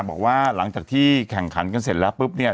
บอกว่าหลังจากที่แข่งขันกันเสร็จแล้วปุ๊บเนี่ย